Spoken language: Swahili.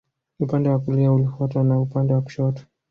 Upande wa kulia ukifuatwa na upande wa kushoto